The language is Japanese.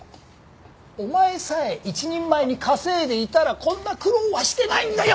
お前さえ一人前に稼いでいたらこんな苦労はしてないんだよ！